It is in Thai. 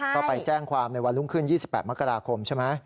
ก็ไปแจ้งความในวันรุ่งขึ้น๒๘มกราคมใช่ไหม